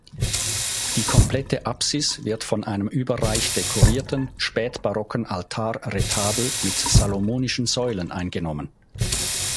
Die komplette Apsis wird von einem überreich dekorierten spätbarocken Altarretabel mit Salomonischen Säulen eingenommen.